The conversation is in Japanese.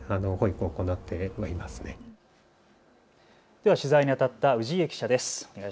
では取材にあたった氏家記者です。